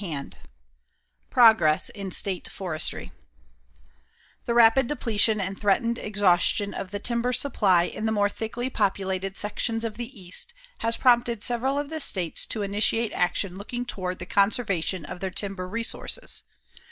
CHAPTER XI PROGRESS IN STATE FORESTRY The rapid depletion and threatened exhaustion of the timber supply in the more thickly populated sections of the East has prompted several of the states to initiate action looking toward the conservation of their timber resources.